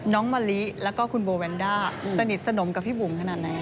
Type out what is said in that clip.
มะลิแล้วก็คุณโบแวนด้าสนิทสนมกับพี่บุ๋มขนาดไหน